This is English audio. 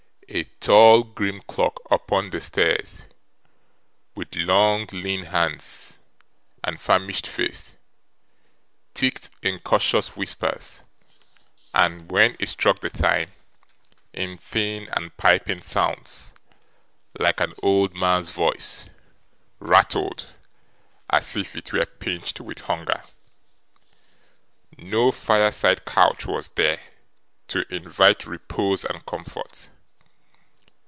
A tall grim clock upon the stairs, with long lean hands and famished face, ticked in cautious whispers; and when it struck the time, in thin and piping sounds, like an old man's voice, rattled, as if it were pinched with hunger. No fireside couch was there, to invite repose and comfort.